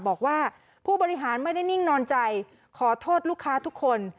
บอกว่าผู้บริหารไม่ได้นิ่งนอนใจขอโทษลูกค้าทุกคน